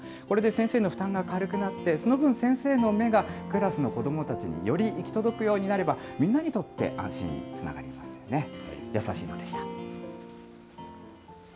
これで先生の負担が軽くなって、その分、先生の目がクラスの子どもたちにより行き届くようになれば、みんなにとって安心につながりますよね。